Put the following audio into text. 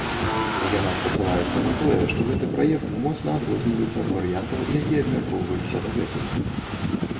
Яна спасылаецца на тое, што гэты праект моцна адрозніваецца ад варыянтаў, якія абмяркоўваліся дагэтуль.